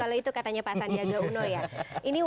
kalau itu katanya pasannya ndra uno ya